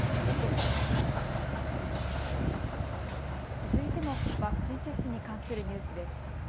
続いてもワクチン接種に関するニュースです。